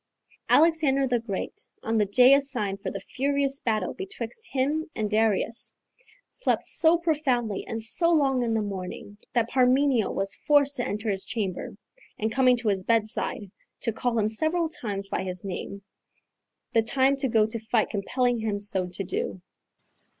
Alexander the Great, on the day assigned for that furious battle betwixt him and Darius, slept so profoundly and so long in the morning, that Parmenio was forced to enter his chamber, and coming to his bedside, to call him several times by his name, the time to go to fight compelling him so to do.